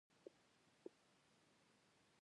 یو ملګری به د ټوکو لپاره کرکټر شو.